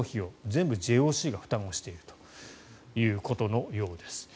全部ＪＯＣが負担しているということのようです。